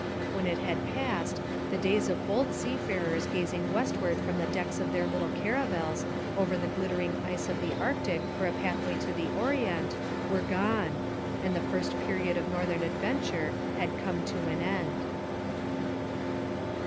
When it had passed, the days of bold sea farers gazing westward from the decks of their little caravels over the glittering ice of the Arctic for a pathway to the Orient were gone, and the first period of northern adventure had come to an end.